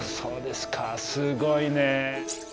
すごいね。